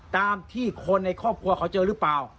ตามที่คนในครอบครัวเขาเจอหรือเปล่า